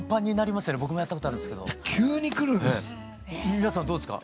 皆さんどうですか？